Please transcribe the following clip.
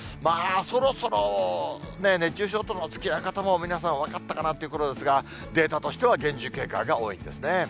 そろそろ熱中症とのつきあい方も、皆さん分かったかなというころですが、データとしては厳重警戒が多いんですね。